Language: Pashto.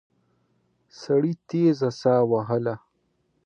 سړي تېزه ساه وهله.